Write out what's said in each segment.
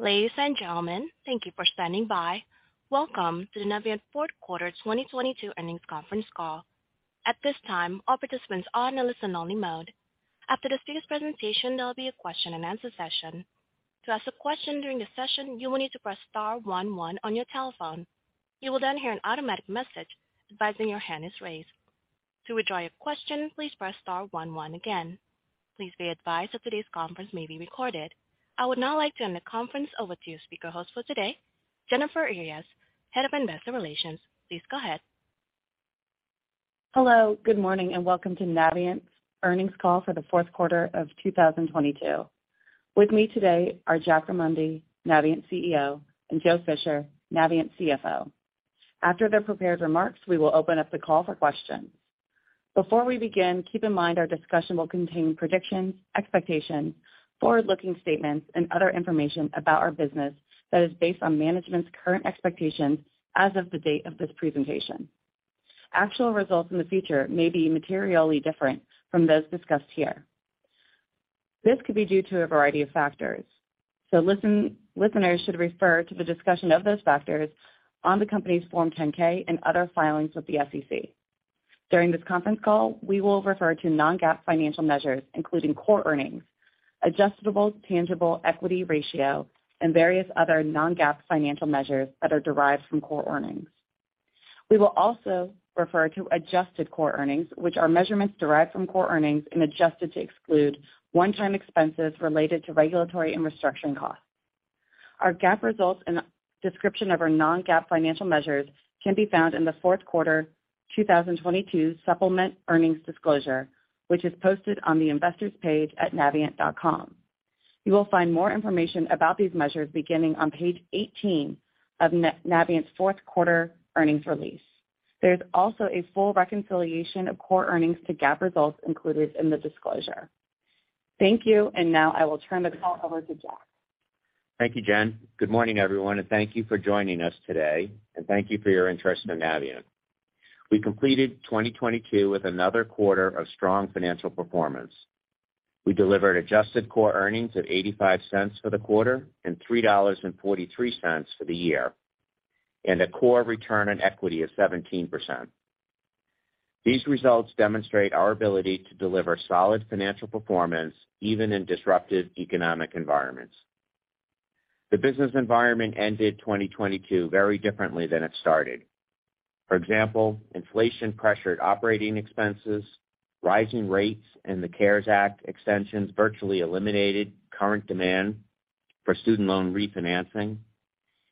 Ladies and gentlemen, thank you for standing by. Welcome to Navient's fourth quarter 2022 earnings conference call. At this time, all participants are in a listen-only mode. After today's presentation, there will be a question-and-answer session. To ask a question during the session, you will need to press star 1 1 on your telephone. You will then hear an automatic message advising your hand is raised. To withdraw your question, please press star 1 1 again. Please be advised that today's conference may be recorded. I would now like to turn the conference over to your speaker host for today, Jennifer Earyes, Head of Investor Relations. Please go ahead. Hello, good morning. Welcome to Navient's earnings call for the fourth quarter of 2022. With me today are Jack Remondi, Navient's CEO, and Joe Fisher, Navient's CFO. After their prepared remarks, we will open up the call for questions. Before we begin, keep in mind our discussion will contain predictions, expectations, forward-looking statements, and other information about our business that is based on management's current expectations as of the date of this presentation. Actual results in the future may be materially different from those discussed here. This could be due to a variety of factors, listeners should refer to the discussion of those factors on the company's Form 10-K and other filings with the SEC. During this conference call, we will refer to non-GAAP financial measures, including Core Earnings, Adjusted Tangible Equity Ratio, and various other non-GAAP financial measures that are derived from Core Earnings. We will also refer to Adjusted Core Earnings, which are measurements derived from Core Earnings and adjusted to exclude one-time expenses related to regulatory and restructuring costs. Our GAAP results and description of our non-GAAP financial measures can be found in the fourth quarter 2022 supplement earnings disclosure, which is posted on the Investors page at navient.com. You will find more information about these measures beginning on page 18 of Navient's fourth-quarter earnings release. There's also a full reconciliation of Core Earnings to GAAP results included in the disclosure. Thank you, and now I will turn the call over to Jack. Thank you, Jen. Good morning, everyone, and thank you for joining us today, and thank you for your interest in Navient. We completed 2022 with another quarter of strong financial performance. We delivered Adjusted Core Earnings of $0.85 for the quarter and $3.43 for the year, and a core return on equity of 17%. These results demonstrate our ability to deliver solid financial performance even in disruptive economic environments. The business environment ended 2022 very differently than it started. For example, inflation pressured operating expenses, rising rates and the CARES Act extensions virtually eliminated current demand for student loan refinancing,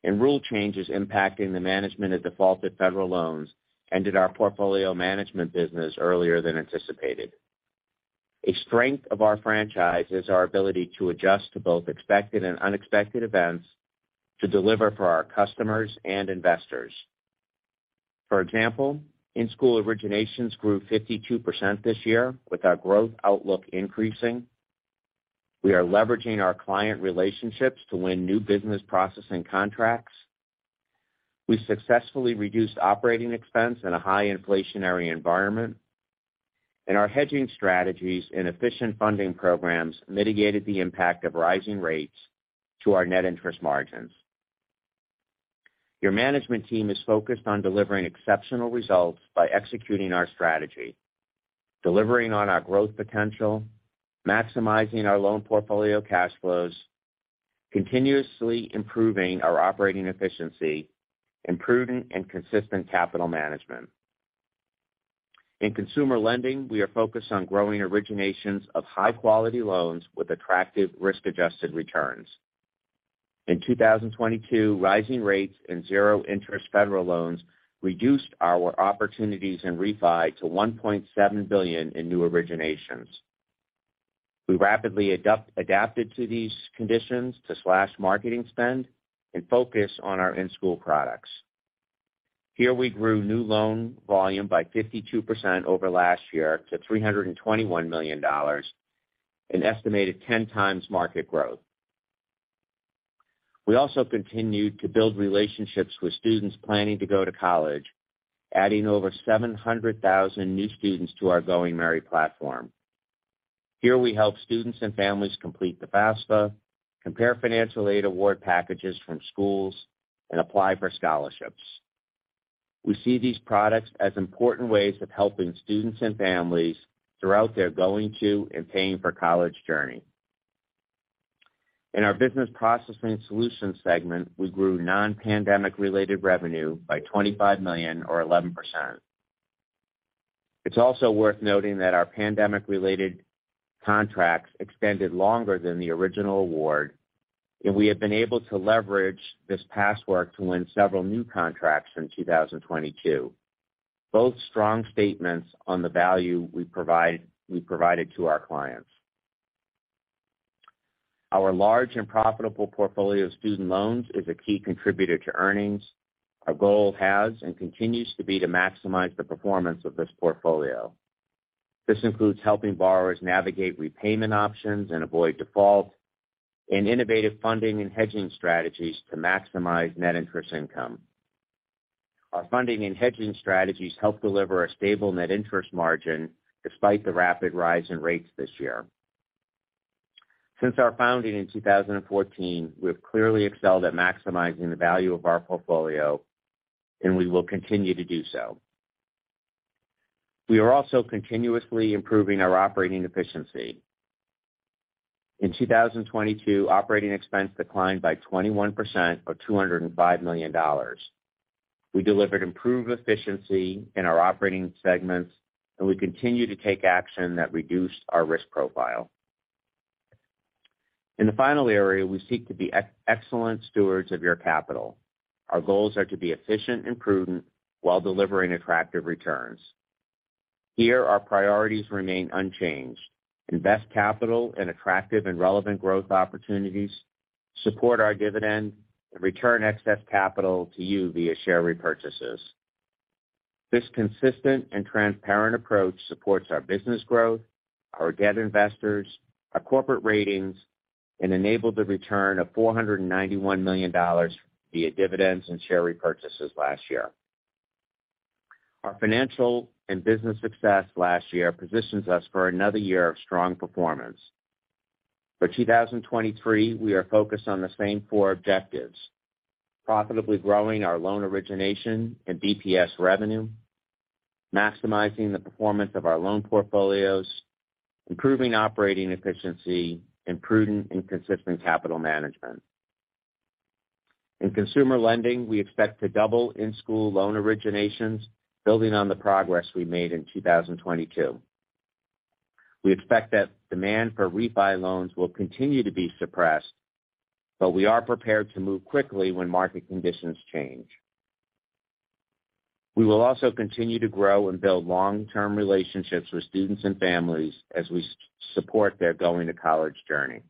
and rule changes impacting the management of defaulted federal loans ended our portfolio management business earlier than anticipated. A strength of our franchise is our ability to adjust to both expected and unexpected events to deliver for our customers and investors. For example, in-school originations grew 52% this year with our growth outlook increasing. We are leveraging our client relationships to win new business processing contracts. We successfully reduced operating expense in a high inflationary environment. Our hedging strategies and efficient funding programs mitigated the impact of rising rates to our net interest margins. Your management team is focused on delivering exceptional results by executing our strategy, delivering on our growth potential, maximizing our loan portfolio cash flows, continuously improving our operating efficiency, and prudent and consistent capital management. In consumer lending, we are focused on growing originations of high-quality loans with attractive risk-adjusted returns. In 2022, rising rates and zero-interest federal loans reduced our opportunities in refi to $1.7 billion in new originations. We rapidly adapted to these conditions to slash marketing spend and focus on our in-school products. We grew new loan volume by 52% over last year to $321 million, an estimated 10 times market growth. We also continued to build relationships with students planning to go to college, adding over 700,000 new students to our Going Merry platform. We help students and families complete the FAFSA, compare financial aid award packages from schools, and apply for scholarships. We see these products as important ways of helping students and families throughout their going to and paying for college journey. In our business processing solutions segment, we grew non-pandemic-related revenue by $25 million or 11%. It's also worth noting that our pandemic-related contracts extended longer than the original award, and we have been able to leverage this past work to win several new contracts in 2022, both strong statements on the value we provided to our clients. Our large and profitable portfolio of student loans is a key contributor to earnings. Our goal has and continues to be to maximize the performance of this portfolio. This includes helping borrowers navigate repayment options and avoid default, and innovative funding and hedging strategies to maximize net interest income. Our funding and hedging strategies help deliver a stable net interest margin despite the rapid rise in rates this year. Since our founding in 2014, we have clearly excelled at maximizing the value of our portfolio, and we will continue to do so. We are also continuously improving our operating efficiency. In 2022, operating expense declined by 21% or $205 million. We delivered improved efficiency in our operating segments. We continued to take action that reduced our risk profile. In the final area, we seek to be ex-excellent stewards of your capital. Our goals are to be efficient and prudent while delivering attractive returns. Here, our priorities remain unchanged. Invest capital in attractive and relevant growth opportunities, support our dividend, return excess capital to you via share repurchases. This consistent and transparent approach supports our business growth, our debt investors, our corporate ratings, enabled the return of $491 million via dividends and share repurchases last year. Our financial and business success last year positions us for another year of strong performance. For 2023, we are focused on the same four objectives: profitably growing our loan origination and BPS revenue, maximizing the performance of our loan portfolios, improving operating efficiency, and prudent and consistent capital management. In consumer lending, we expect to double in-school loan originations, building on the progress we made in 2022. We expect that demand for refi loans will continue to be suppressed, but we are prepared to move quickly when market conditions change. We will also continue to grow and build long-term relationships with students and families as we support their going to college journey.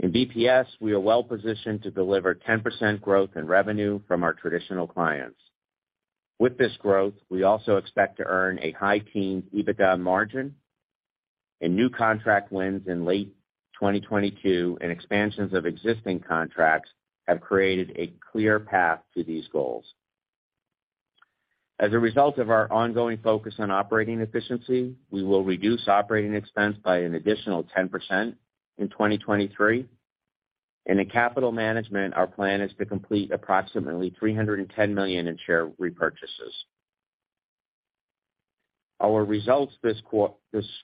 In BPS, we are well-positioned to deliver 10% growth in revenue from our traditional clients. With this growth, we also expect to earn a high teen EBITDA margin. New contract wins in late 2022 and expansions of existing contracts have created a clear path to these goals. As a result of our ongoing focus on operating efficiency, we will reduce operating expense by an additional 10% in 2023. In capital management, our plan is to complete approximately $310 million in share repurchases. Our results this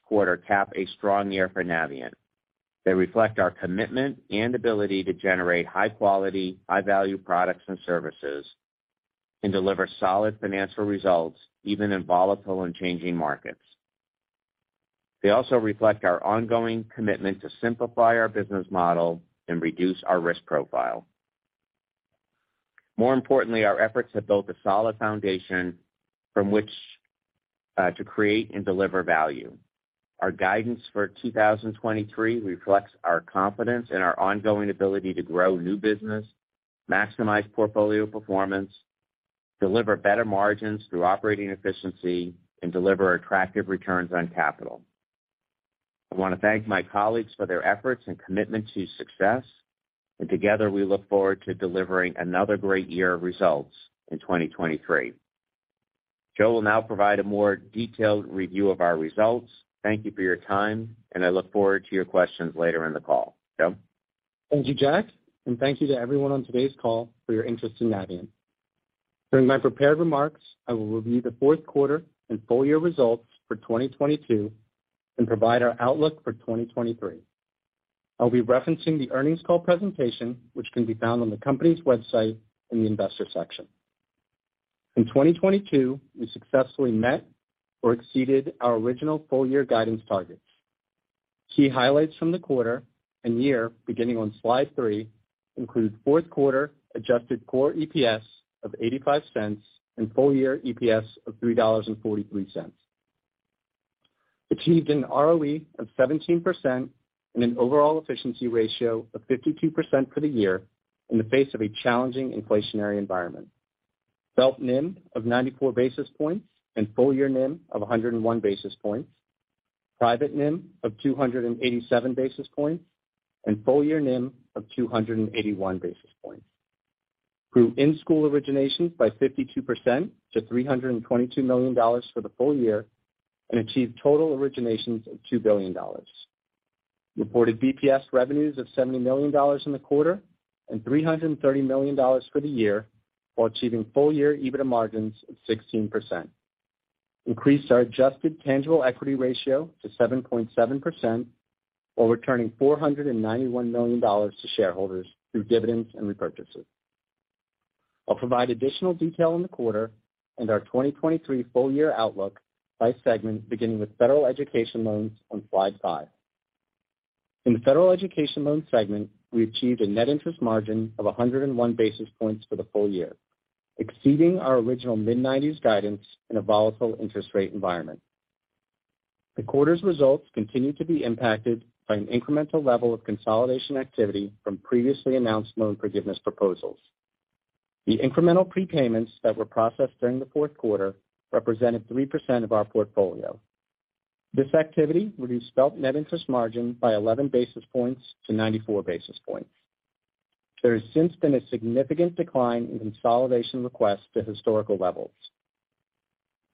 quarter cap a strong year for Navient. They reflect our commitment and ability to generate high quality, high value products and services, and deliver solid financial results, even in volatile and changing markets. They also reflect our ongoing commitment to simplify our business model and reduce our risk profile. More importantly, our efforts have built a solid foundation from which to create and deliver value. Our guidance for 2023 reflects our confidence in our ongoing ability to grow new business, maximize portfolio performance, deliver better margins through operating efficiency, and deliver attractive returns on capital. I want to thank my colleagues for their efforts and commitment to success. Together, we look forward to delivering another great year of results in 2023. Joe will now provide a more detailed review of our results. Thank you for your time, I look forward to your questions later in the call. Joe? Thank you, Jack, and thank you to everyone on today's call for your interest in Navient. During my prepared remarks, I will review the fourth quarter and full year results for 2022 and provide our outlook for 2023. I'll be referencing the earnings call presentation, which can be found on the company's website in the investor section. In 2022, we successfully met or exceeded our original full year guidance targets. Key highlights from the quarter and year, beginning on slide 3, include fourth quarter Adjusted Core EPS of $0.85 and full year EPS of $3.43. Achieved an ROE of 17% and an overall efficiency ratio of 52% for the year in the face of a challenging inflationary environment. FFELP NIM of 94 basis points and full year NIM of 101 basis points. Private NIM of 287 basis points and full year NIM of 281 basis points. Grew in-school originations by 52% to $322 million for the full year and achieved total originations of $2 billion. Reported BPS revenues of $70 million in the quarter and $330 million for the year while achieving full year EBITDA margins of 16%. Increased our Adjusted Tangible Equity Ratio to 7.7% while returning $491 million to shareholders through dividends and repurchases. I'll provide additional detail on the quarter and our 2023 full year outlook by segment, beginning with federal education loans on slide 5. In the federal education loan segment, we achieved a net interest margin of 101 basis points for the full year, exceeding our original mid-nineties guidance in a volatile interest rate environment. The quarter's results continued to be impacted by an incremental level of consolidation activity from previously announced loan forgiveness proposals. The incremental prepayments that were processed during the fourth quarter represented 3% of our portfolio. This activity reduced FFELP net interest margin by 11 basis points to 94 basis points. There has since been a significant decline in consolidation requests to historical levels.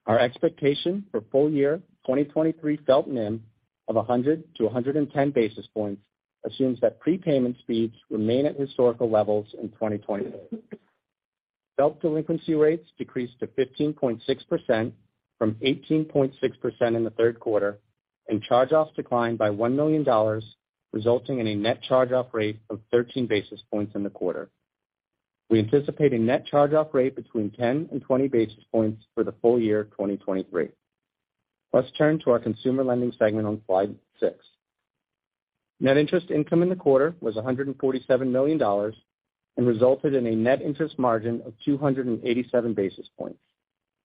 Our expectation for full year 2023 FFELP NIM of 100 to 110 basis points assumes that prepayment speeds remain at historical levels in 2023. Felt delinquency rates decreased to 15.6% from 18.6% in the third quarter. Charge-offs declined by $1 million, resulting in a net charge-off rate of 13 basis points in the quarter. We anticipate a net charge-off rate between 10 and 20 basis points for the full year 2023. Let's turn to our consumer lending segment on slide 6. Net interest income in the quarter was $147 million and resulted in a net interest margin of 287 basis points,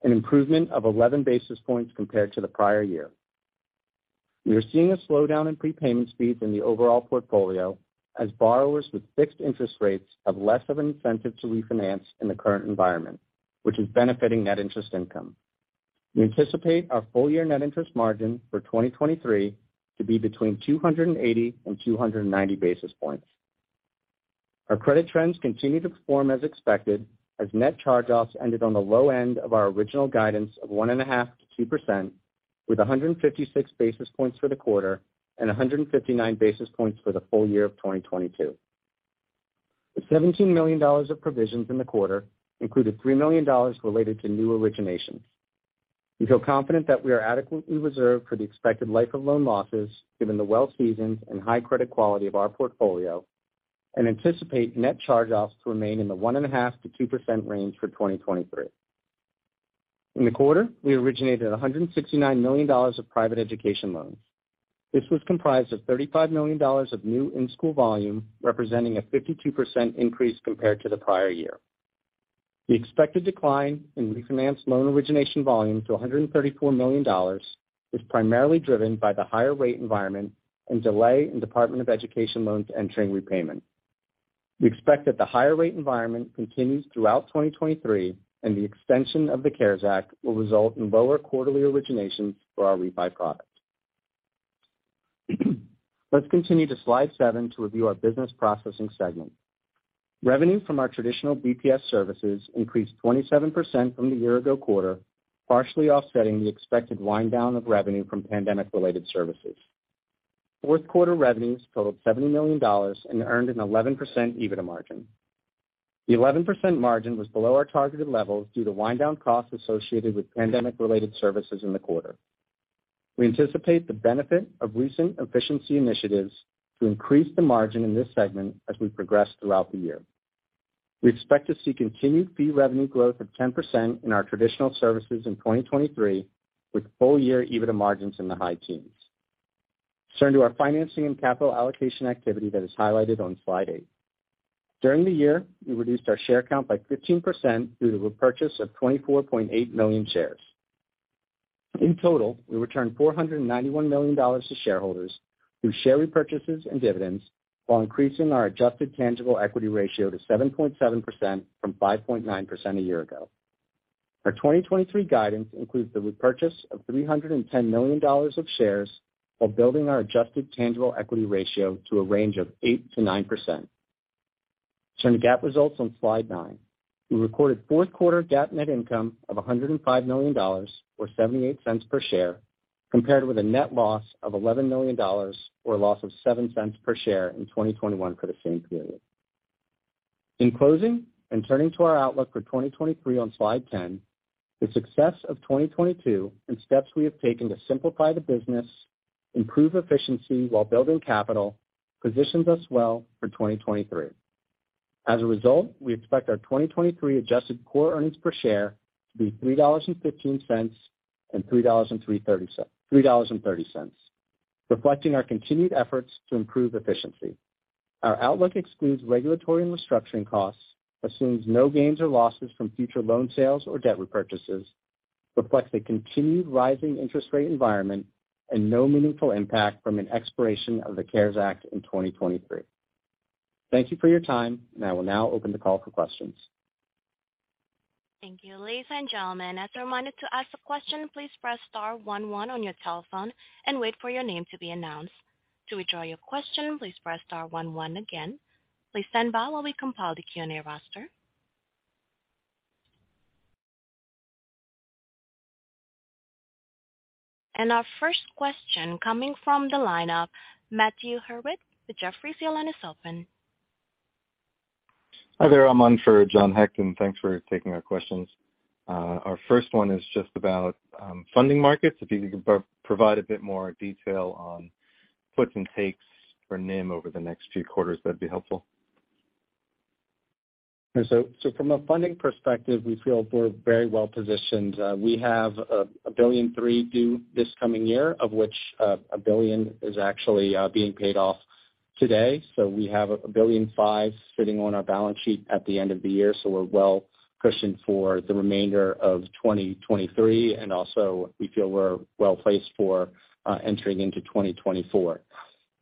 an improvement of 11 basis points compared to the prior year. We are seeing a slowdown in prepayment speeds in the overall portfolio as borrowers with fixed interest rates have less of an incentive to refinance in the current environment, which is benefiting net interest income. We anticipate our full year net interest margin for 2023 to be between 280 and 290 basis points. Our credit trends continue to perform as expected as net charge-offs ended on the low end of our original guidance of 1.5%-2%, with 156 basis points for the quarter and 159 basis points for the full year of 2022. The $17 million of provisions in the quarter included $3 million related to new originations. We feel confident that we are adequately reserved for the expected life of loan losses given the well-seasoned and high credit quality of our portfolio and anticipate net charge-offs to remain in the 1.5%-2% range for 2023. In the quarter, we originated $169 million of private education loans. This was comprised of $35 million of new in-school volume, representing a 52% increase compared to the prior year. The expected decline in refinanced loan origination volume to $134 million was primarily driven by the higher rate environment and delay in Department of Education loans entering repayment. We expect that the higher rate environment continues throughout 2023, the extension of the CARES Act will result in lower quarterly originations for our refi product. Let's continue to slide 7 to review our business processing segment. Revenue from our traditional BPS services increased 27% from the year ago quarter, partially offsetting the expected wind down of revenue from pandemic-related services. Fourth quarter revenues totaled $70 million and earned an 11% EBITDA margin. The 11% margin was below our targeted levels due to wind down costs associated with pandemic-related services in the quarter. We anticipate the benefit of recent efficiency initiatives to increase the margin in this segment as we progress throughout the year. We expect to see continued fee revenue growth of 10% in our traditional services in 2023 with full year EBITDA margins in the high teens. Let's turn to our financing and capital allocation activity that is highlighted on slide 8. During the year, we reduced our share count by 15% due to repurchase of 24.8 million shares. In total, we returned $491 million to shareholders through share repurchases and dividends while increasing our Adjusted Tangible Equity Ratio to 7.7% from 5.9% a year ago. Our 2023 guidance includes the repurchase of $310 million of shares while building our Adjusted Tangible Equity Ratio to a range of 8%-9%. Turning to GAAP results on slide 9. We recorded fourth quarter GAAP net income of $105 million or $0.78 per share, compared with a net loss of $11 million or a loss of $0.07 per share in 2021 for the same period. In closing, turning to our outlook for 2023 on slide 10, the success of 2022 and steps we have taken to simplify the business, improve efficiency while building capital, positions us well for 2023. As a result, we expect our 2023 Adjusted Core Earnings per share to be $3.15-$3.30, reflecting our continued efforts to improve efficiency. Our outlook excludes regulatory and restructuring costs, assumes no gains or losses from future loan sales or debt repurchases, reflects a continued rising interest rate environment and no meaningful impact from an expiration of the CARES Act in 2023. Thank you for your time. I will now open the call for questions. Thank you. Ladies and gentlemen, as a reminder to ask a question, please press star one one on your telephone and wait for your name to be announced. To withdraw your question, please press star one one again. Please stand by while we compile the Q&A roster. Our first question coming from the line of Matthew Herbek with Jefferies. Your line is open. Hi there. I'm on for John Hecht. Thanks for taking our questions. Our first one is just about funding markets. If you could provide a bit more detail on puts and takes for NIM over the next few quarters, that'd be helpful. From a funding perspective, we feel we're very well positioned. We have a $1.3 billion due this coming year, of which $1 billion is actually being paid off today. We have a $1.5 billion sitting on our balance sheet at the end of the year, so we're well cushioned for the remainder of 2023. Also, we feel we're well-placed for entering into 2024.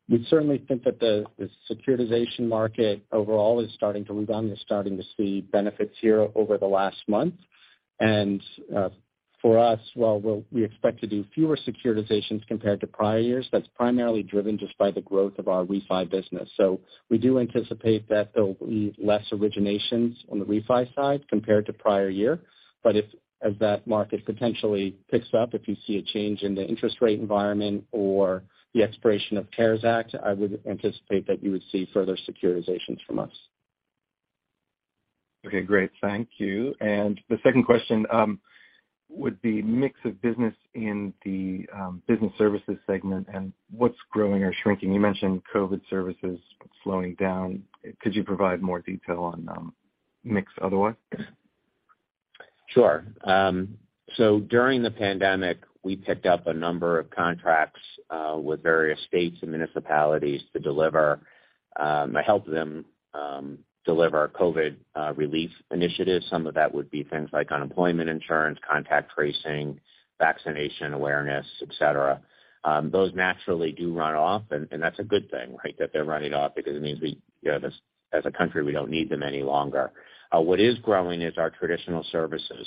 We certainly think that the securitization market overall is starting to rebound and starting to see benefits here over the last month. For us, while we expect to do fewer securitizations compared to prior years, that's primarily driven just by the growth of our refi business. We do anticipate that there'll be less originations on the refi side compared to prior year. If as that market potentially picks up, if you see a change in the interest rate environment or the expiration of CARES Act, I would anticipate that you would see further securitizations from us. Okay, great. Thank you. The second question would be mix of business in the business services segment and what's growing or shrinking. You mentioned COVID services slowing down. Could you provide more detail on mix otherwise? Sure. So during the pandemic, we picked up a number of contracts with various states and municipalities to deliver, to help them deliver COVID relief initiatives. Some of that would be things like unemployment insurance, contact tracing, vaccination awareness, et cetera. Those naturally do run off, and that's a good thing, right? That they're running off because it means we, you know, this, as a country, we don't need them any longer. What is growing is our traditional services.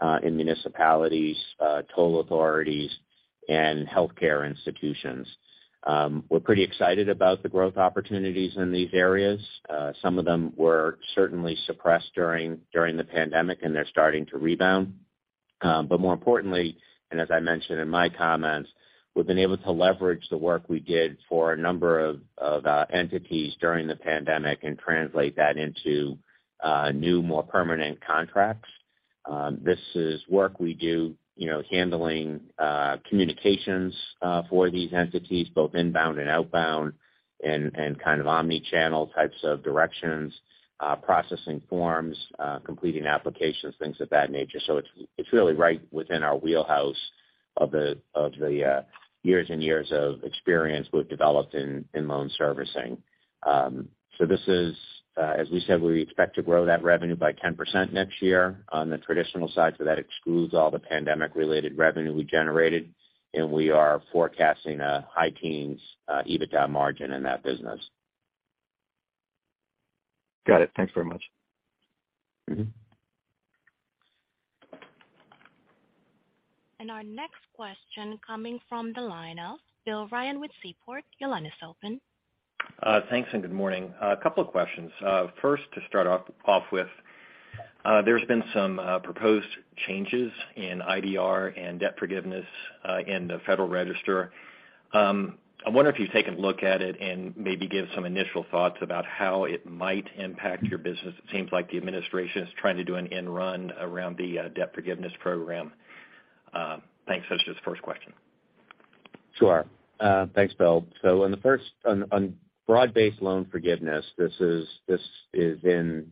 These would be things that we do for states and municipalities, toll authorities and healthcare institutions. We're pretty excited about the growth opportunities in these areas. Some of them were certainly suppressed during the pandemic, and they're starting to rebound. More importantly, and as I mentioned in my comments, we've been able to leverage the work we did for a number of entities during the pandemic and translate that into new, more permanent contracts. This is work we do, you know, handling communications for these entities, both inbound and outbound and kind of omni-channel types of directions, processing forms, completing applications, things of that nature. It's, it's really right within our wheelhouse of the years and years of experience we've developed in loan servicing. This is, as we said, we expect to grow that revenue by 10% next year on the traditional side. That excludes all the pandemic-related revenue we generated, and we are forecasting a high teens EBITDA margin in that business. Got it. Thanks very much. Mm-hmm. Our next question coming from the line of Bill Ryan with Seaport. Your line is open. Thanks. Good morning. A couple of questions. First, to start off with, there's been some proposed changes in IDR and debt forgiveness in the Federal Register. I wonder if you've taken a look at it and maybe give some initial thoughts about how it might impact your business. It seems like the administration is trying to do an end run around the debt forgiveness program. Thanks. That's just the first question. Sure. Thanks, Bill. On broad-based loan forgiveness, this is in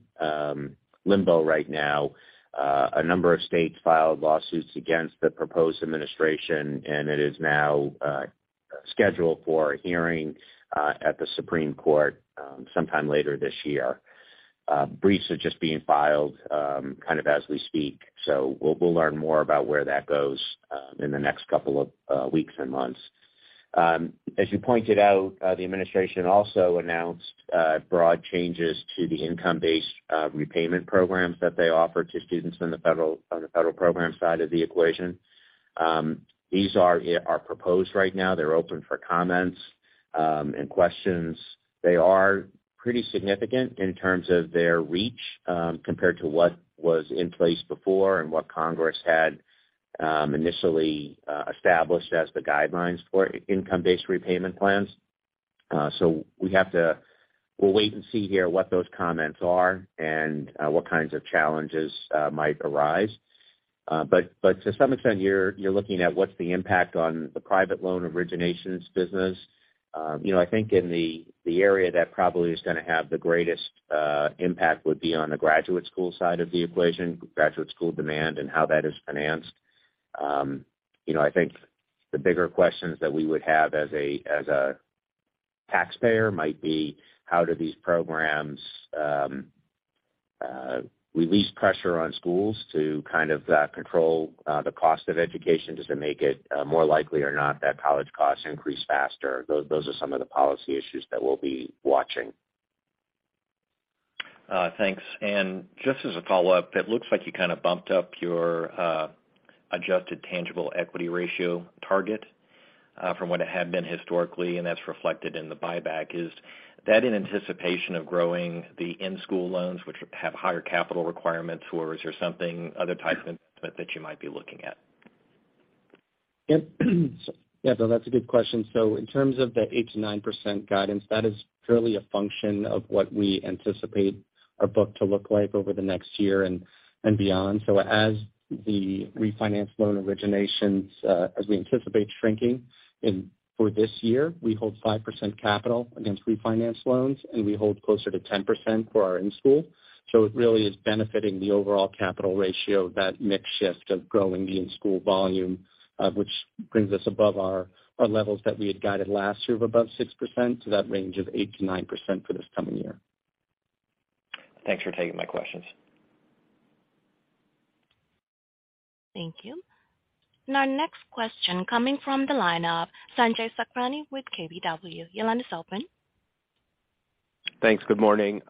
limbo right now. A number of states filed lawsuits against the proposed administration, and it is now scheduled for a hearing at the Supreme Court sometime later this year. Briefs are just being filed kind of as we speak. We'll learn more about where that goes in the next couple of weeks and months. As you pointed out, the administration also announced broad changes to the income-based repayment programs that they offer to students in the federal program side of the equation. These are proposed right now. They're open for comments and questions. They are pretty significant in terms of their reach, compared to what was in place before and what Congress had initially established as the guidelines for income-based repayment plans. We'll wait and see here what those comments are and what kinds of challenges might arise. To some extent, you're looking at what's the impact on the private loan originations business. You know, I think in the area that probably is gonna have the greatest impact would be on the graduate school side of the equation, graduate school demand and how that is financed. You know, I think the bigger questions that we would have as a taxpayer might be how do these programs release pressure on schools to kind of control the cost of education? Does it make it more likely or not that college costs increase faster? Those are some of the policy issues that we'll be watching. Thanks. Just as a follow-up, it looks like you kind of bumped up your Adjusted Tangible Equity Ratio target from what it had been historically, and that's reflected in the buyback. Is that in anticipation of growing the in-school loans which have higher capital requirements, or is there something, other types of instrument that you might be looking at? Bill, that's a good question. In terms of the 8%-9% guidance, that is purely a function of what we anticipate our book to look like over the next year and beyond. As the refinance loan originations, as we anticipate shrinking for this year, we hold 5% capital against refinance loans, and we hold closer to 10% for our in-school. It really is benefiting the overall capital ratio, that mix shift of growing the in-school volume, which brings us above our levels that we had guided last year of above 6% to that range of 8%-9% for this coming year. Thanks for taking my questions. Thank you. Our next question coming from the line of Sanjay Sakhrani with KBW. Your line is open. Thanks. Good morning.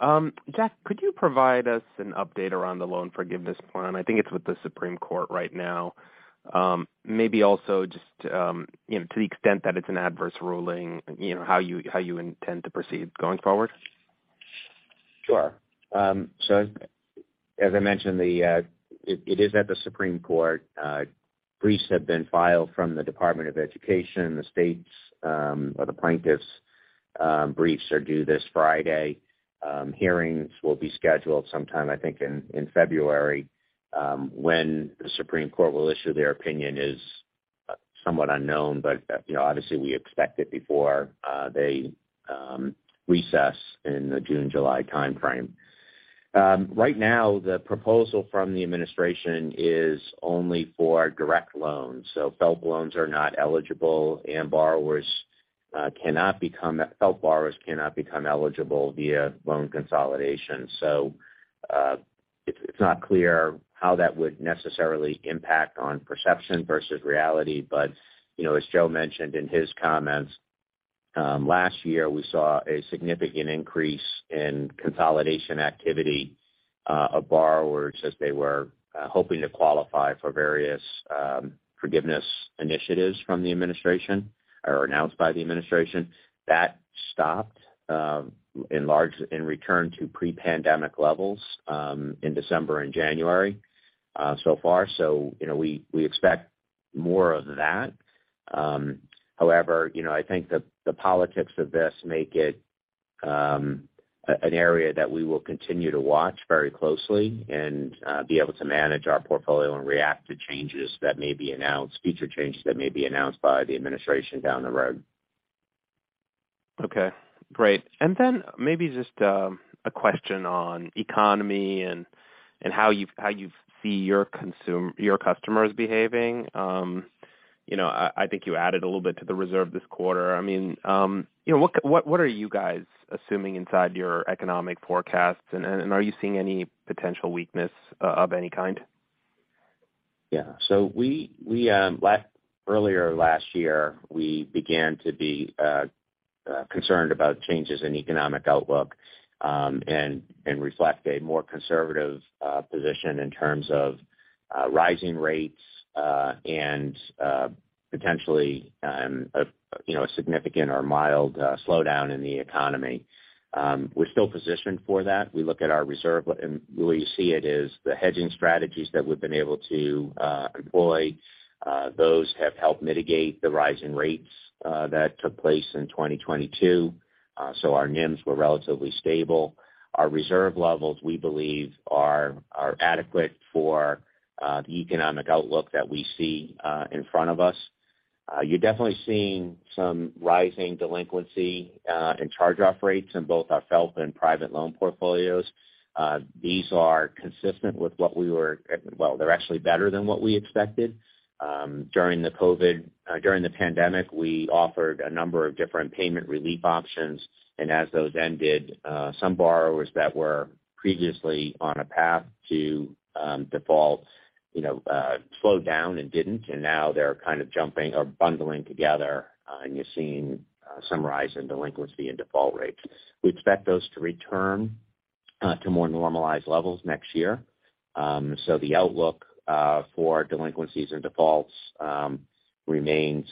Jack, could you provide us an update around the loan forgiveness plan? I think it's with the Supreme Court right now. Maybe also just, you know, to the extent that it's an adverse ruling, you know, how you, how you intend to proceed going forward? Sure. As I mentioned, it is at the Supreme Court. Briefs have been filed from the Department of Education. The states, or the plaintiffs', briefs are due this Friday. Hearings will be scheduled sometime, I think, in February. When the Supreme Court will issue their opinion is somewhat unknown, but, you know, obviously we expect it before they recess in the June-July timeframe. Right now, the proposal from the administration is only for direct loans. FFELP loans are not eligible and borrowers cannot become FFELP borrowers cannot become eligible via loan consolidation. It's not clear how that would necessarily impact on perception versus reality. You know, as Joe mentioned in his comments, last year, we saw a significant increase in consolidation activity, of borrowers as they were hoping to qualify for various forgiveness initiatives from the administration or announced by the administration. That stopped in large and returned to pre-pandemic levels in December and January so far. You know, we expect more of that. However, you know, I think the politics of this make it an area that we will continue to watch very closely and be able to manage our portfolio and react to changes that may be announced, future changes that may be announced by the administration down the road. Okay, great. Then maybe just a question on economy and how you've, how you see your customers behaving. You know, I think you added a little bit to the reserve this quarter. I mean, you know, what are you guys assuming inside your economic forecasts? Are you seeing any potential weakness of any kind? Yeah. We, earlier last year, we began to be concerned about changes in economic outlook, and reflect a more conservative position in terms of rising rates, and potentially, you know, a significant or mild slowdown in the economy. We're still positioned for that. We look at our reserve, and the way we see it is the hedging strategies that we've been able to employ, those have helped mitigate the rise in rates that took place in 2022. Our NIMs were relatively stable. Our reserve levels, we believe, are adequate for the economic outlook that we see in front of us. You're definitely seeing some rising delinquency and charge-off rates in both our FFELP and private loan portfolios. Well, they're actually better than what we expected. During the COVID, during the pandemic, we offered a number of different payment relief options, and as those ended, some borrowers that were previously on a path to default, you know, slowed down and didn't, and now they're kind of jumping or bundling together, and you're seeing some rise in delinquency and default rates. We expect those to return to more normalized levels next year. The outlook for delinquencies and defaults remains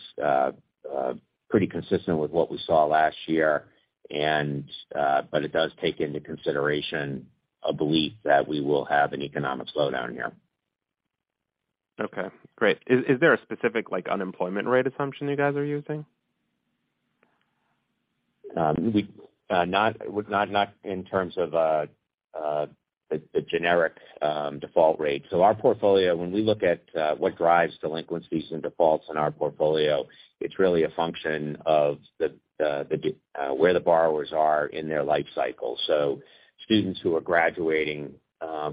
pretty consistent with what we saw last year. It does take into consideration a belief that we will have an economic slowdown here. Okay, great. Is there a specific, like, unemployment rate assumption you guys are using? We, not in terms of the generic default rate. Our portfolio, when we look at what drives delinquencies and defaults in our portfolio, it's really a function of the where the borrowers are in their life cycle. Students who are graduating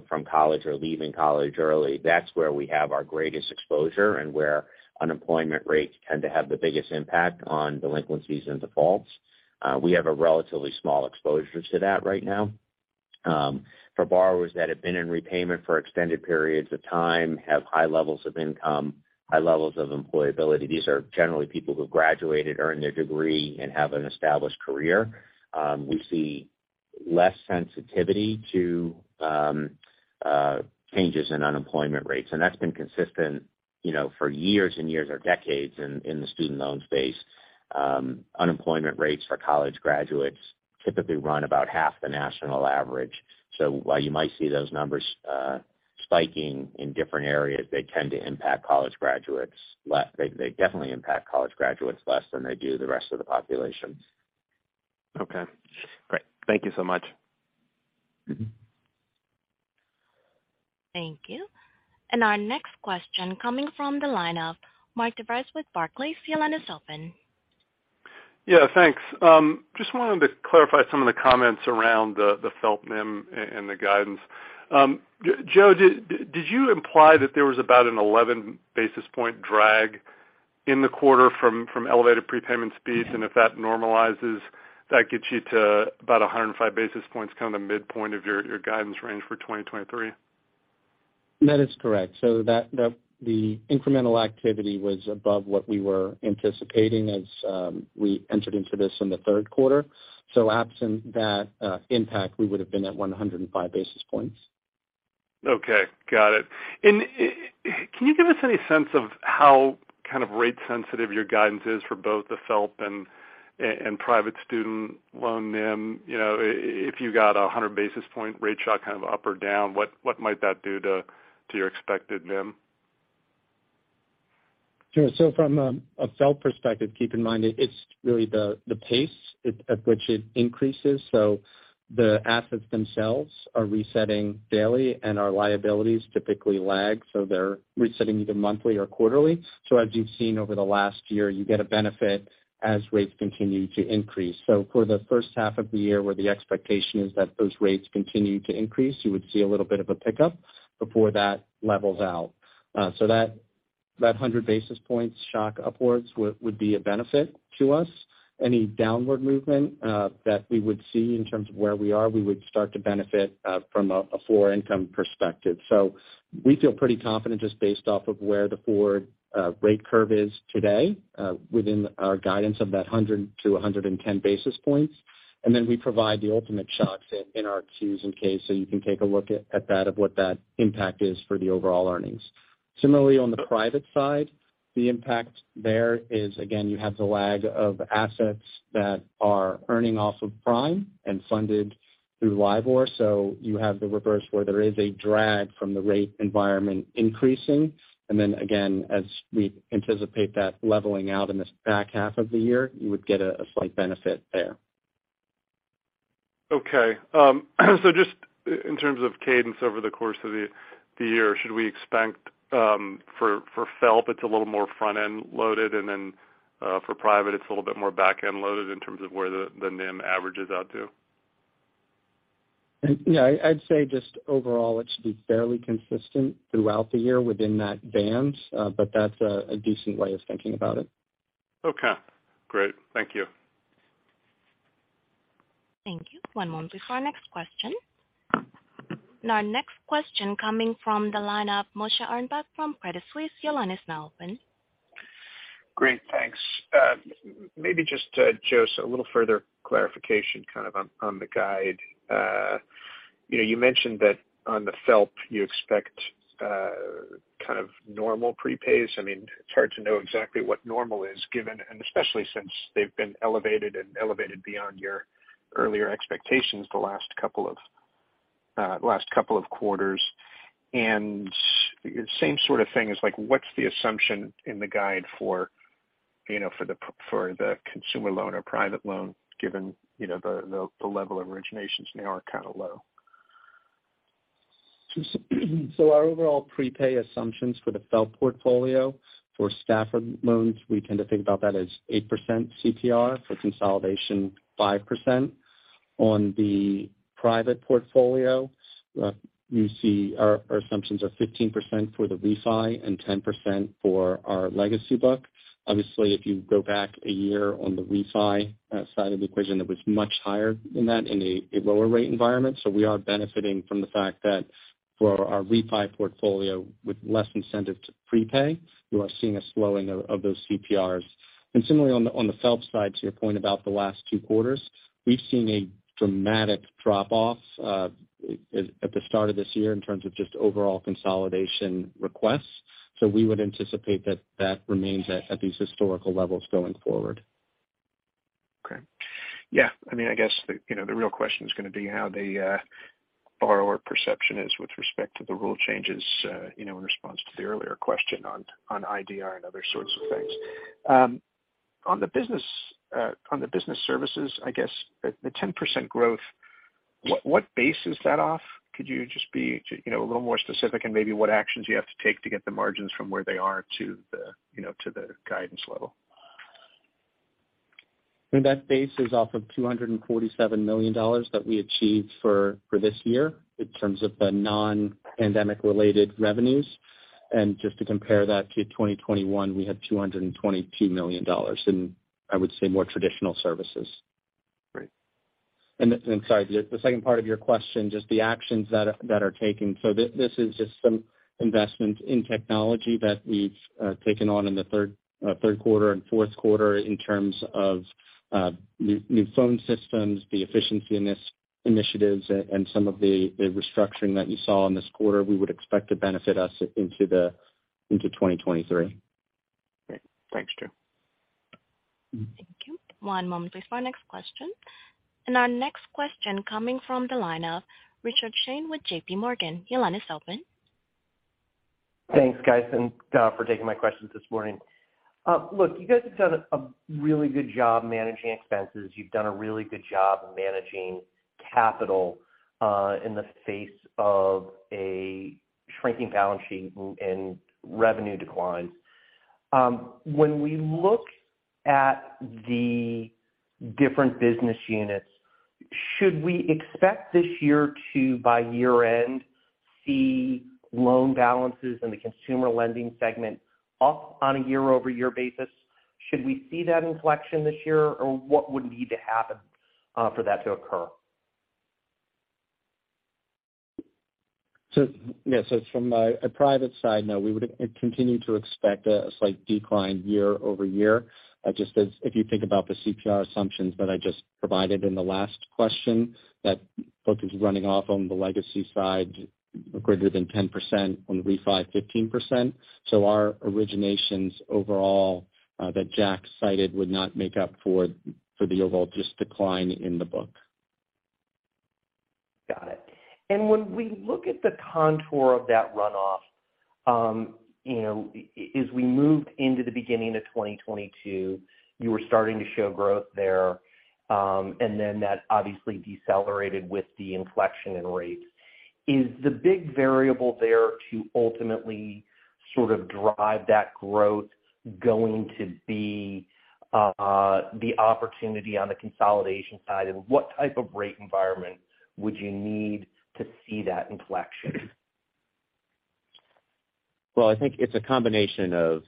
from college or leaving college early, that's where we have our greatest exposure and where unemployment rates tend to have the biggest impact on delinquencies and defaults. We have a relatively small exposure to that right now. For borrowers that have been in repayment for extended periods of time, have high levels of income, high levels of employability. These are generally people who have graduated, earned their degree, and have an established career. We see less sensitivity to changes in unemployment rates. That's been consistent, you know, for years and years or decades in the student loan space. Unemployment rates for college graduates typically run about half the national average. While you might see those numbers, spiking in different areas, they tend to impact college graduates less. They definitely impact college graduates less than they do the rest of the population. Okay, great. Thank you so much. Mm-hmm. Thank you. Our next question coming from the line of Mark DeVries with Barclays. Your line is open. Yeah, thanks. Just wanted to clarify some of the comments around the FFELP NIM and the guidance. Joe, did you imply that there was about an 11 basis point drag in the quarter from elevated prepayment speeds, and if that normalizes, that gets you to about 105 basis points, kind of the midpoint of your guidance range for 2023? That is correct. That the incremental activity was above what we were anticipating as we entered into this in the third quarter. Absent that impact, we would have been at 105 basis points. Okay, got it. Can you give us any sense of how kind of rate sensitive your guidance is for both the FFELP and private student loan NIM, you know, if you got a 100 basis point rate shock kind of up or down, what might that do to your expected NIM? Sure. From a FFELP perspective, keep in mind it's really the pace at which it increases. The assets themselves are resetting daily and our liabilities typically lag, so they're resetting either monthly or quarterly. As you've seen over the last year, you get a benefit as rates continue to increase. For the first half of the year where the expectation is that those rates continue to increase, you would see a little bit of a pickup before that levels out. That 100 basis points shock upwards would be a benefit to us. Any downward movement that we would see in terms of where we are, we would start to benefit from a Floor Income perspective. We feel pretty confident just based off of where the forward rate curve is today, within our guidance of that 100 to 110 basis points. We provide the ultimate shock in our Qs and Ks, so you can take a look at that, of what that impact is for the overall earnings. Similarly, on the private side, the impact there is, again, you have the lag of assets that are earning off of prime and funded through LIBOR. You have the reverse where there is a drag from the rate environment increasing. Again, as we anticipate that leveling out in this back half of the year, you would get a slight benefit there. Okay. Just in terms of cadence over the course of the year, should we expect for FFELP, it's a little more front-end loaded, and then for private it's a little bit more back-end loaded in terms of where the NIM averages out to? I'd say just overall it should be fairly consistent throughout the year within that band, but that's a decent way of thinking about it. Okay, great. Thank you. Thank you. One moment before our next question. Our next question coming from the line of Moshe Orenbuch from Credit Suisse. Your line is now open. Great, thanks. maybe just to Joe, so a little further clarification kind of on the guide. you know, you mentioned that on the FFELP you expect kind of normal prepays. I mean, it's hard to know exactly what normal is given, especially since they've been elevated and elevated beyond your earlier expectations the last couple of quarters. Same sort of thing is like, what's the assumption in the guide for, you know, for the consumer loan or private loan given, you know, the level of originations now are kind of low? Our overall prepay assumptions for the FFELP portfolio for Stafford loans, we tend to think about that as 8% CTR. For consolidation, 5%. On the private portfolio, you see our assumptions are 15% for the refi and 10% for our legacy book. Obviously, if you go back a year on the refi side of the equation, it was much higher than that in a lower rate environment. We are benefiting from the fact that for our refi portfolio with less incentive to prepay, you are seeing a slowing of those CPRs. Similarly on the FFELP side, to your point about the last two quarters, we've seen a dramatic drop-off at the start of this year in terms of just overall consolidation requests. We would anticipate that that remains at these historical levels going forward. Okay. Yeah, I mean, I guess the, you know, the real question is gonna be how the borrower perception is with respect to the rule changes, you know, in response to the earlier question on IDR and other sorts of things. On the business services, I guess the 10% growth, what base is that off? Could you just be, you know, a little more specific and maybe what actions you have to take to get the margins from where they are to the, you know, to the guidance level? That base is off of $247 million that we achieved for this year in terms of the non-pandemic related revenues. Just to compare that to 2021, we had $222 million in, I would say, more traditional services. Great. sorry, the second part of your question, just the actions that are taken. this is just some investment in technology that we've taken on in the third quarter and fourth quarter in terms of new phone systems, the efficiency in this initiatives and some of the restructuring that you saw in this quarter, we would expect to benefit us into 2023. Great. Thanks, Joe. Thank you. One moment please for our next question. Our next question coming from the line of Richard Shane with JPMorgan. Your line is open. Thanks, guys, and for taking my questions this morning. Look, you guys have done a really good job managing expenses. You've done a really good job managing capital in the face of a shrinking balance sheet and revenue declines. When we look at the different business units. Should we expect this year to, by year-end, see loan balances in the consumer lending segment up on a year-over-year basis? Should we see that inflection this year, or what would need to happen for that to occur? From a private side, we would continue to expect a slight decline year-over-year. Just as if you think about the CPR assumptions that I just provided in the last question, that book is running off on the legacy side greater than 10% on the refi 15%. Our originations overall, that Jack cited would not make up for the overall just decline in the book. Got it. When we look at the contour of that runoff, you know, as we moved into the beginning of 2022, you were starting to show growth there, and then that obviously decelerated with the inflection in rates. Is the big variable there to ultimately sort of drive that growth going to be, the opportunity on the consolidation side? What type of rate environment would you need to see that inflection? Well, I think it's a combination of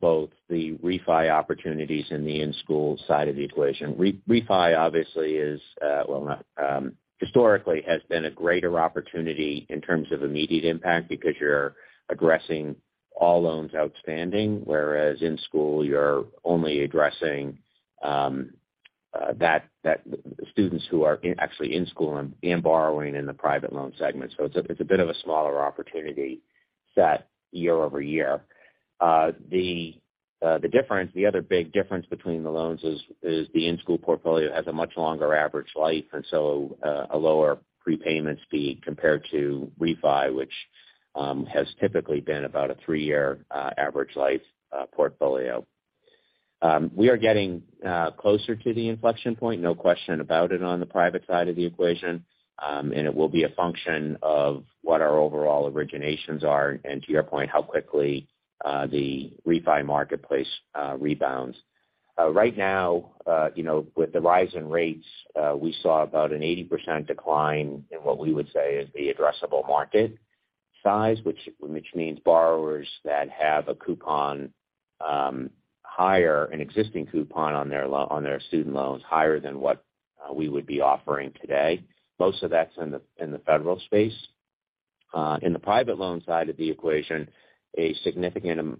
both the refi opportunities and the in-school side of the equation. Refi obviously is, well, not, historically has been a greater opportunity in terms of immediate impact because you're addressing all loans outstanding, whereas in-school, you're only addressing that the students who are actually in school and borrowing in the private loan segment. It's a bit of a smaller opportunity set year-over-year. The difference, the other big difference between the loans is the in-school portfolio has a much longer average life, a lower prepayment speed compared to refi, which has typically been about a three-year average life portfolio. We are getting closer to the inflection point, no question about it on the private side of the equation. It will be a function of what our overall originations are, to your point, how quickly the refi marketplace rebounds. Right now, you know, with the rise in rates, we saw about an 80% decline in what we would say is the addressable market size, which means borrowers that have a coupon higher, an existing coupon on their student loans higher than what we would be offering today. Most of that's in the federal space. In the private loan side of the equation, a significant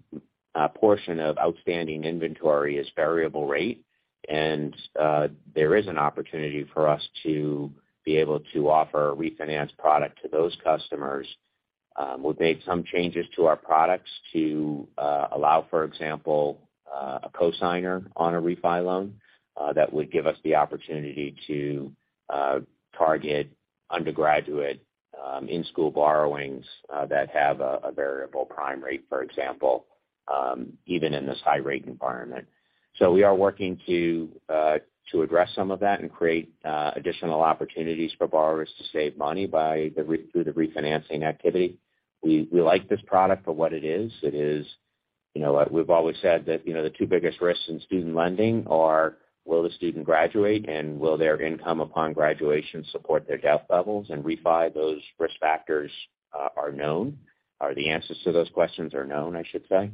portion of outstanding inventory is variable rate. There is an opportunity for us to be able to offer a refinance product to those customers. We've made some changes to our products to allow, for example, a cosigner on a refi loan, that would give us the opportunity to target undergraduate, in-school borrowings, that have a variable prime rate, for example, even in this high-rate environment. We are working to address some of that and create additional opportunities for borrowers to save money through the refinancing activity. We like this product for what it is. It is, you know, we've always said that, you know, the two biggest risks in student lending are will the student graduate and will their income upon graduation support their debt levels. In refi, those risk factors are known, or the answers to those questions are known, I should say.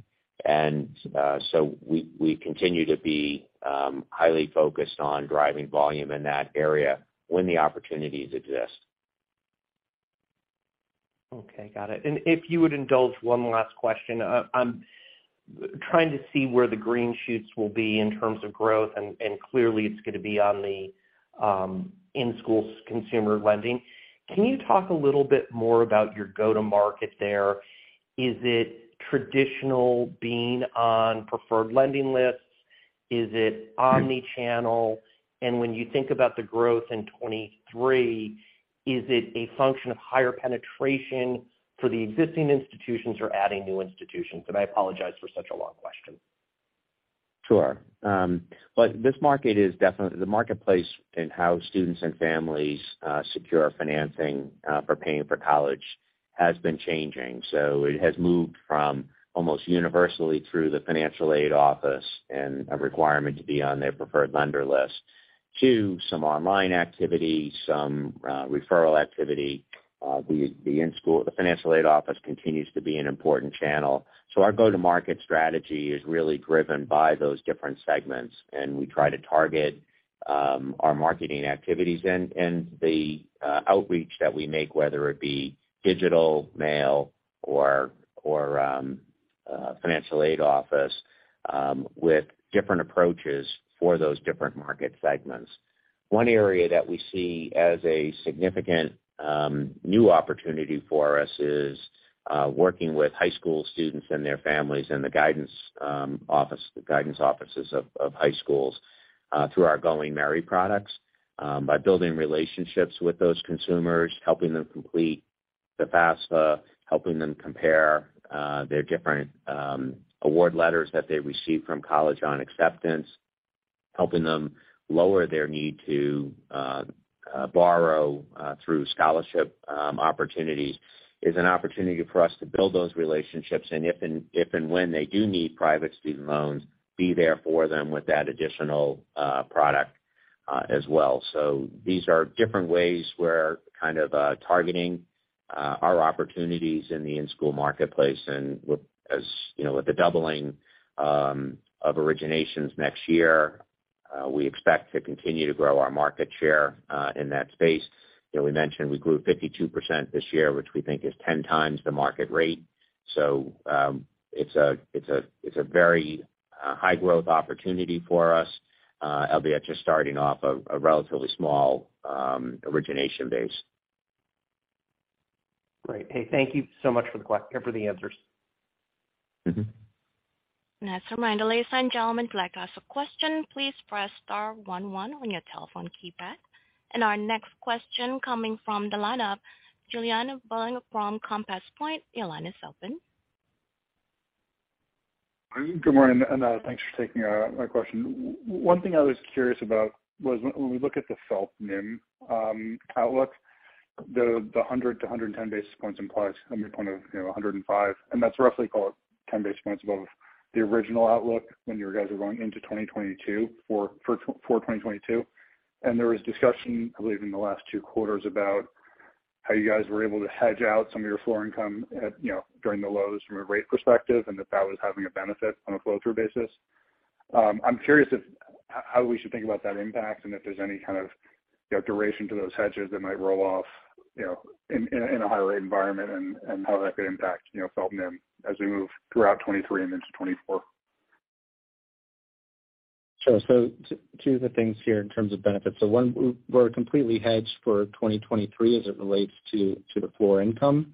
We continue to be highly focused on driving volume in that area when the opportunities exist. Okay, got it. If you would indulge one last question. I'm trying to see where the green shoots will be in terms of growth, and clearly it's going to be on the in-school consumer lending. Can you talk a little bit more about your go-to-market there? Is it traditional being on preferred lending lists? Is it omni-channel? When you think about the growth in 23, is it a function of higher penetration for the existing institutions or adding new institutions? I apologize for such a long question. Sure. Look, this market is The marketplace and how students and families secure financing for paying for college has been changing. It has moved from almost universally through the financial aid office and a requirement to be on their preferred lender list to some online activity, some referral activity. The in-school, the financial aid office continues to be an important channel. Our go-to-market strategy is really driven by those different segments, and we try to target our marketing activities and the outreach that we make, whether it be digital, mail, or, financial aid office, with different approaches for those different market segments. One area that we see as a significant new opportunity for us is working with high school students and their families in the guidance office, the guidance offices of high schools, through our Going Merry products. By building relationships with those consumers, helping them complete the FAFSA, helping them compare their different award letters that they receive from college on acceptance, helping them lower their need to borrow through scholarship opportunities, is an opportunity for us to build those relationships. If and when they do need private student loans, be there for them with that additional product as well. These are different ways we're kind of targeting Our opportunities in the in-school marketplace and you know, with the doubling of originations next year, we expect to continue to grow our market share in that space. You know, we mentioned we grew 52% this year, which we think is 10 times the market rate. It's a very high growth opportunity for us, albeit just starting off a relatively small origination base. Great. Hey, thank you so much for the answers. Mm-hmm. As a reminder, ladies and gentlemen, if you'd like to ask a question, please press star 11 on your telephone keypad. Our next question coming from the line of Giuliano Bologna from Compass Point. Your line is open. Good morning, and thanks for taking my question. One thing I was curious about was when we look at the FFELP NIM outlook, the 100-110 basis points implies a midpoint of, you know, 105, and that's roughly call it 10 basis points above the original outlook when you guys are going into 2022 for 2022. There was discussion, I believe, in the last two quarters about how you guys were able to hedge out some of your Floor Income at, you know, during the lows from a rate perspective and that that was having a benefit on a flow-through basis. I'm curious if how we should think about that impact and if there's any kind of, you know, duration to those hedges that might roll off, you know, in a, in a higher rate environment and how that could impact, you know, FFELP NIM as we move throughout 2023 and into 2024. Sure. 2 of the things here in terms of benefits. 1, we're completely hedged for 2023 as it relates to the Floor Income.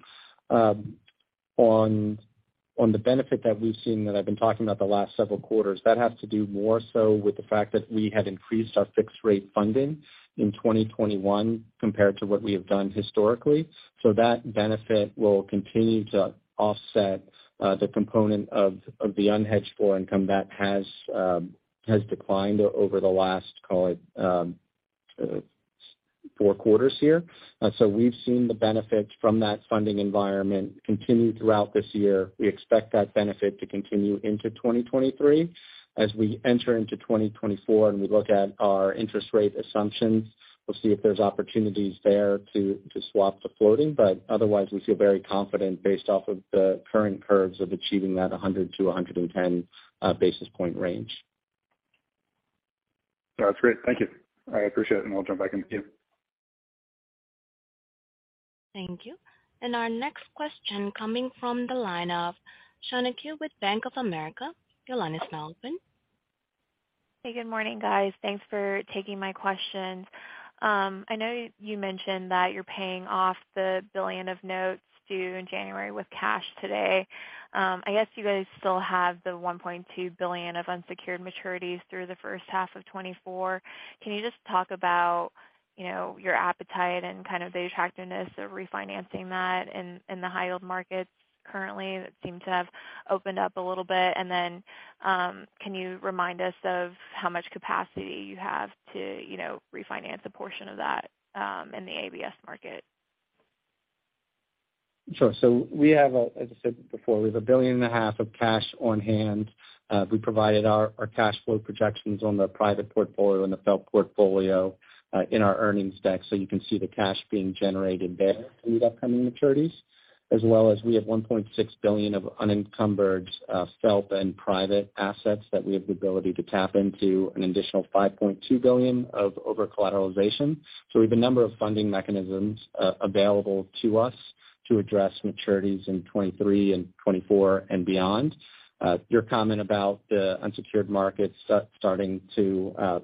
On the benefit that we've seen that I've been talking about the last several quarters, that has to do more so with the fact that we have increased our fixed rate funding in 2021 compared to what we have done historically. That benefit will continue to offset the component of the unhedged Floor Income that has declined over the last, call it, 4 quarters here. We've seen the benefit from that funding environment continue throughout this year. We expect that benefit to continue into 2023. As we enter into 2024 and we look at our interest rate assumptions, we'll see if there's opportunities there to swap the floating. Otherwise we feel very confident based off of the current curves of achieving that 100-110 basis point range. That's great. Thank you. I appreciate it, and I'll jump back in the queue. Thank you. Our next question coming from the line of Heather Balsky with Bank of America. Your line is now open. Hey, good morning, guys. Thanks for taking my questions. I know you mentioned that you're paying off the $1 billion of notes due in January with cash today. I guess you guys still have the $1.2 billion of unsecured maturities through the first half of 2024. Can you just talk about, you know, your appetite and kind of the attractiveness of refinancing that in the high yield markets currently that seem to have opened up a little bit? Then, can you remind us of how much capacity you have to, you know, refinance a portion of that in the ABS market? Sure. As I said before, we have $1.5 billion of cash on hand. We provided our cash flow projections on the private portfolio and the FFELP portfolio in our earnings deck. You can see the cash being generated there to meet upcoming maturities. As well as we have $1.6 billion of unencumbered FFELP and private assets that we have the ability to tap into, an additional $5.2 billion of overcollateralization. We have a number of funding mechanisms available to us to address maturities in 2023 and 2024 and beyond. Your comment about the unsecured markets starting to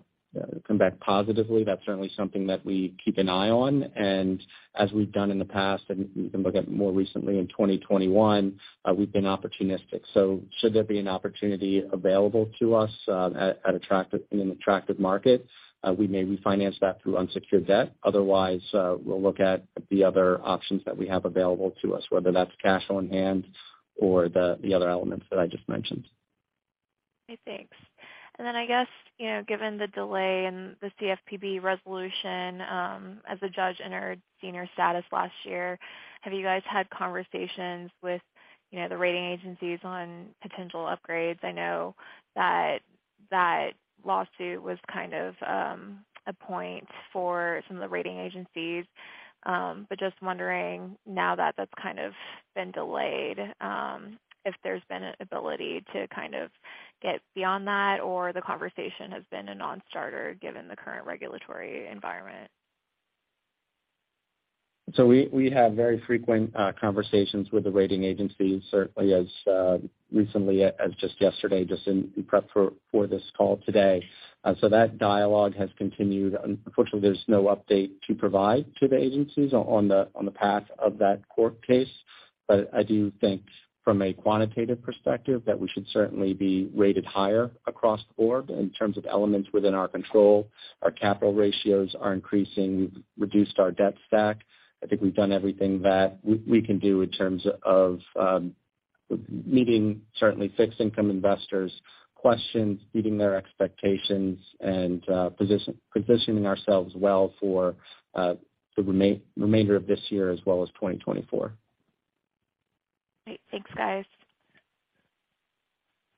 come back positively, that's certainly something that we keep an eye on. As we've done in the past, and you can look at more recently in 2021, we've been opportunistic. Should there be an opportunity available to us, at attractive, in an attractive market, we may refinance that through unsecured debt. Otherwise, we'll look at the other options that we have available to us, whether that's cash on hand or the other elements that I just mentioned. Okay, thanks. I guess, you know, given the delay in the CFPB resolution, as the judge entered senior status last year, have you guys had conversations with, you know, the rating agencies on potential upgrades? I know that that lawsuit was kind of a point for some of the rating agencies. Just wondering now that that's kind of been delayed, if there's been an ability to kind of get beyond that, or the conversation has been a non-starter given the current regulatory environment. We have very frequent conversations with the rating agencies, certainly as recently as just yesterday, just in prep for this call today. That dialogue has continued. Unfortunately, there's no update to provide to the agencies on the path of that court case. I do think from a quantitative perspective that we should certainly be rated higher across the board in terms of elements within our control. Our capital ratios are increasing. We've reduced our debt stack. I think we've done everything that we can do in terms of meeting, certainly fixed income investors' questions, meeting their expectations, and positioning ourselves well for the remainder of this year as well as 2024. Great. Thanks, guys.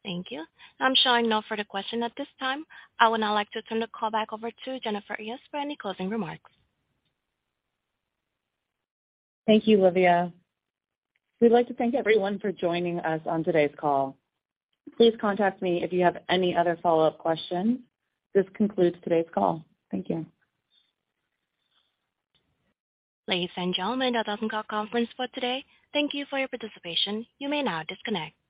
Thank you. I'm showing no further question at this time. I would now like to turn the call back over to Jenifer Earyes for any closing remarks. Thank you, Olivia. We'd like to thank everyone for joining us on today's call. Please contact me if you have any other follow-up questions. This concludes today's call. Thank you. Ladies and gentlemen, that does end our conference for today. Thank you for your participation. You may now disconnect.